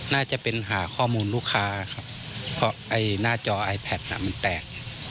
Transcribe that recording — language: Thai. น่าจะเป็นหาข้อมูลลูกค้าครับเพราะไอ้หน้าจอไอแพทน่ะมันแตก